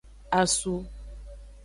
Asu.